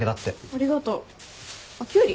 ありがとう。あっキュウリ？